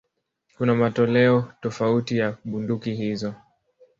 Kuna matoleo tofauti ya bunduki hizo.